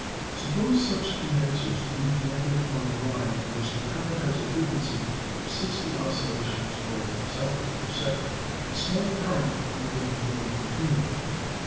Suppose such con densers to be connected on a line in which the current has a frequency of 60 oscillations or cycles per second : a small current will then flow continually.